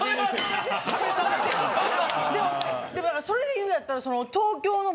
でもそれで言うんやったら。